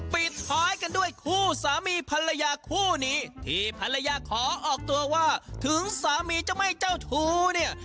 ปิดท้ายกันด้วยคู่สามีภรรยาคู่นี้ที่ภรรยาขอออกตัวว่าถึงสามีจะไม่เจ้าชู้เนี่ย